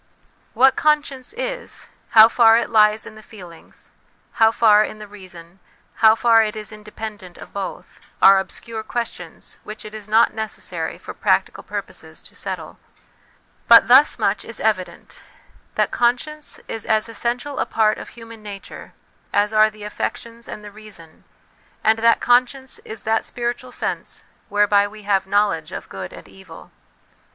What conscience is, how far it lies in the feelings, how far in the reason, how far it is independent of both, are obscure questions which it is not necessary for practical purposes to settle ; but thus much is evident that conscience is as essential a part of human nature as are the THE WILL CONSCIENCE DIVINE LIFE 333 affections and the reason, and that conscience is that spiritual sense whereby we have knowledge of good and evil.